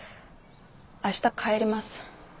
明日帰ります。